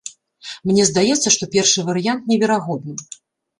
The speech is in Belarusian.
Мне здаецца, што першы варыянт неверагодны.